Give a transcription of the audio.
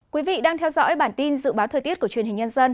quý vị đang theo dõi bản tin dự báo thời tiết của truyền hình nhân dân